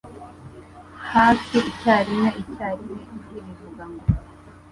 hafi icyarimwe icyarimwe ijwi rivuga ngo